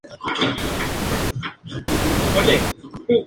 Como poeta, ha editado cinco títulos.